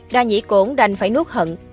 đa nhĩ cổn đành phải nuốt hận